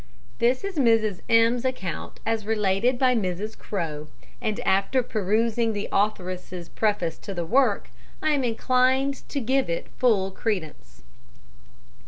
This is Mrs. M.'s account as related by Mrs. Crowe, and after perusing the authoress's preface to the work, I am inclined to give it full credence.